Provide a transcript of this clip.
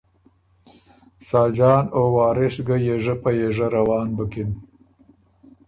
ساجان او وارث که یېژۀ په یېژۀ روان بُکِن